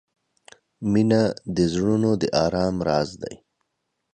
• مینه د زړونو د آرام راز دی.